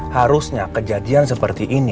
harusnya kejadian seperti ini